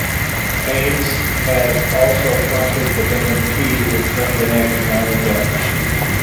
Haynes has also fronted the band P with friend and actor Johnny Depp.